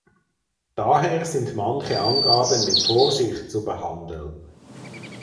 Daher sind manche Angaben mit Vorsicht zu behandeln.